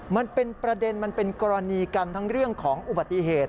มันเป็นประเด็นมันเป็นกรณีกันทั้งเรื่องของอุบัติเหตุ